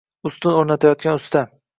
Ustun oʻrnatayotgan usta.